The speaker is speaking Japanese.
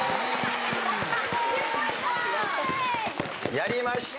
やりました。